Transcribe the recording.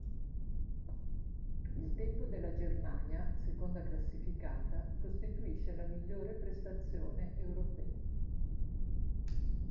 Il tempo della Germania, seconda classificata, costituisce la migliore prestazione europea.